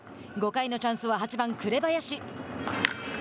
５回のチャンスは、８番紅林。